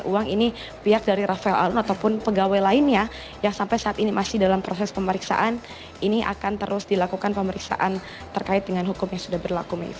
uang ini pihak dari rafael alun ataupun pegawai lainnya yang sampai saat ini masih dalam proses pemeriksaan ini akan terus dilakukan pemeriksaan terkait dengan hukum yang sudah berlaku